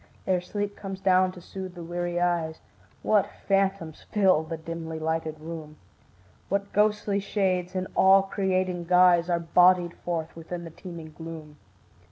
Ere sleep comes down to soothe the weary eyes, What phantoms fill the dimly lighted room; What ghostly shades in awe creating guise Are bodied forth within the teeming gloom.